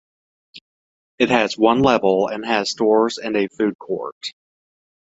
It has one level and has stores and a food court.